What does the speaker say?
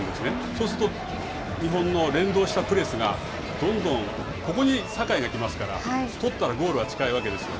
そうすると、日本の連動したプレスがどんどん、ここに酒井が来ますから、取ったらゴールは近いわけですよ。